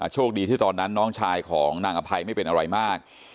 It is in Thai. โชคดีที่ตอนนั้นน้องชายของนางอภัยไม่เป็นอะไรมาก